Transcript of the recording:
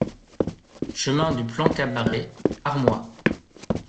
Chemin du Plan Cabaret, Armoy